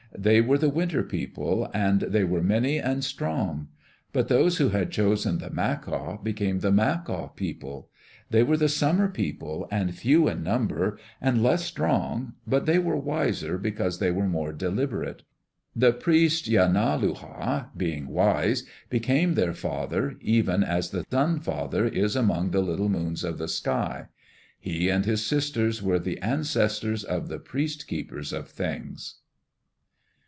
They were the Winter People and they were many and strong. But those who had chosen the macaw, became the Macaw People. They were the Summer People, and few in number, and less strong, but they were wiser because they were more deliberate. The priest Yanauluha, being wise, became their father, even as the Sun father is among the little moons of the sky. He and his sisters were the ancestors of the priest keepers of things.